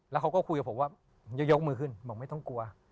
แล้วเขาก็คุยกับผมว่าผมจะยกมือขึ้นบอกไม่ต้องกลัว